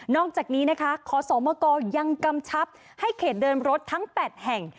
อกจากนี้นะคะขอสมกยังกำชับให้เขตเดินรถทั้ง๘แห่ง